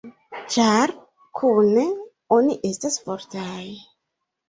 Ĉar kune oni estas fortaj.